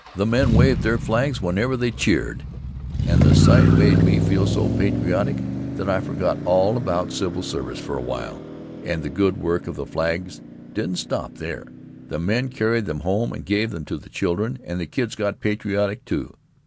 The men waved their flags whenever they cheered and the sight made me feel so patriotic that I forgot all about civil service for a while. And the good work of the flags didn't stop there. The men carried them home and gave them to the children, and the kids got patriotic, too.